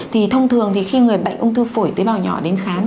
thì thông thường thì khi người bệnh ung thư phổi tế bào nhỏ đến khám